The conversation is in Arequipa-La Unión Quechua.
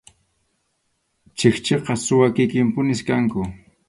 Chikchiqa suwa kikinpunim kanku.